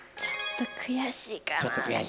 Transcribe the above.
ちょっと悔しい。